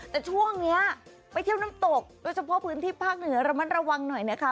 แต่ช่วงนี้ไปเที่ยวน้ำตกโดยเฉพาะพื้นที่ภาคเหนือระมัดระวังหน่อยนะคะ